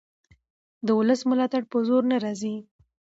د ولس ملاتړ په زور نه راځي